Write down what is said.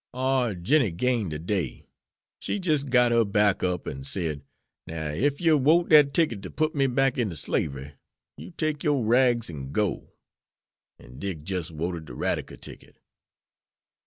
"Oh, Jinnie gained de day. She jis' got her back up, and said, 'Now ef yer wote dat ticket ter put me back inter slavery, you take yore rags an' go.' An' Dick jis' woted de radical ticket.